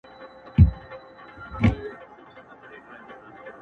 • نه مي چیغي سوای تر کوره رسېدلای -